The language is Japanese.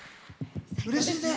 うれしいね。